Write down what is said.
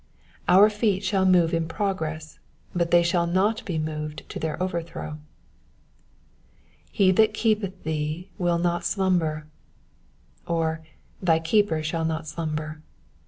Our feet shall move in progress, but they shall not be moved to their overthrow. lfe that keepeth thee will not alvmber,'''— or thy keeper shall not slumber.'